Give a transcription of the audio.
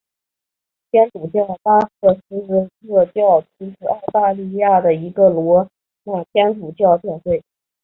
天主教巴瑟斯特教区是澳大利亚一个罗马天主教教区。